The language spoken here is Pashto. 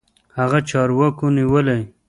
هغه چارواکو نيولى.